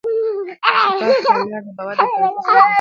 شفافه کړنلاره د باور د پیاوړتیا سبب ګرځي.